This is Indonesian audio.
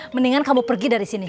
mendingan kamu pergi dari sini